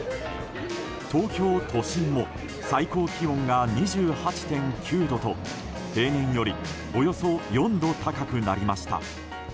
東京都心も最高気温が２８．９度と平年よりおよそ４度高くなりました。